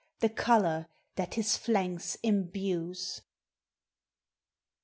The color that his Hanks imbues.